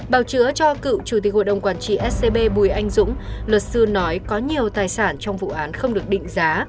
bào chữa cho cựu chủ tịch hội đồng quản trị scb bùi anh dũng luật sư nói có nhiều tài sản trong vụ án không được định giá